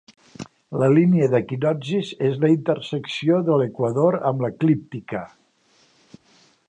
La Línia d'equinoccis és la intersecció de l'Equador amb l'Eclíptica.